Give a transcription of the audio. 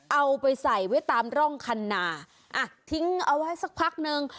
เอาไปใส่ไว้ตามร่องคันนาอ่ะทิ้งเอาไว้สักพักนึง